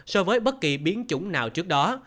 so với bất kỳ biến chủng nào trước đó